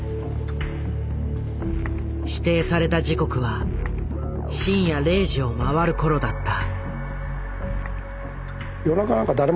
指定された時刻は深夜０時を回る頃だった。